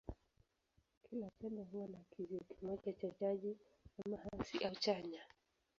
Kila chembe huwa na kizio kimoja cha chaji, ama hasi au chanya.